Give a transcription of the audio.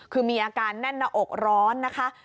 คือมีอาการแน่นหน้าอกร้อนนะคะ